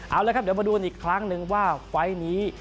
เอาละครับเดี๋ยวมาดูกันอีกครั้งหนึ่งว่าไฟล์นี้